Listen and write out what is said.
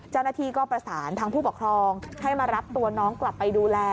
เจ้าหน้าที่ก็ประสานทางผู้ปกครองให้มารับตัวน้องกลับไปดูแล